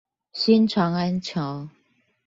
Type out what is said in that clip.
新長安橋